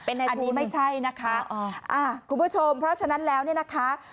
อันนี้ไม่ใช่นะคะคุณผู้ชมเพราะฉะนั้นแล้วเนี่ยนะคะ